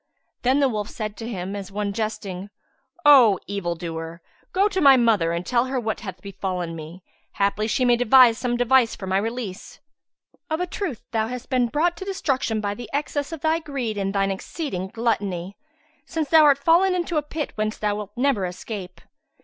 Then the wolf said to him as one jesting, "O evil doer, go to my mother and tell her what hath befallen me; haply she may devise some device for my release." Replied the fox, "Of a truth thou hast been brought to destruction by the excess of thy greed and thine exceeding gluttony, since thou art fallen into a pit whence thou wilt never escape.